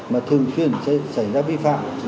mà thường xuyên sẽ xảy ra vi phạm